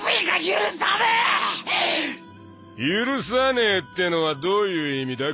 許さねえってのはどういう意味だ